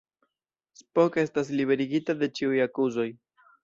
Spock estas liberigita de ĉiuj akuzoj.